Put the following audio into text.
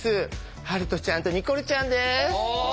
遥斗ちゃんとニコルちゃんです。